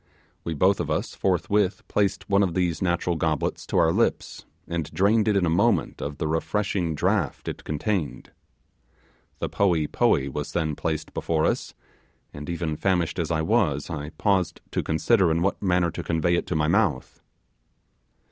We both of us forthwith placed one of these natural goblets to our lips, and drained it in a moment of the refreshing draught it contained. The poee poee was then placed before us, and even famished as I was, I paused to consider in what manner to convey it to my mouth.